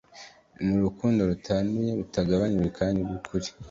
ni urukundo rutanduye, rutagabanijwe kandi rwukuri.